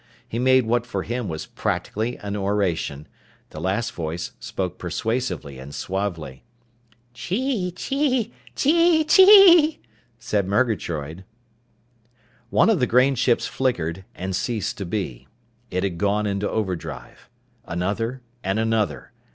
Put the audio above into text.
He made what for him was practically an oration. The last voice spoke persuasively and suavely. "Chee chee chee chee," said Murgatroyd. One of the grain ships flickered and ceased to be. It had gone into overdrive. Another. And another.